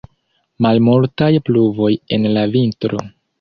Malmultaj pluvoj en la vintro.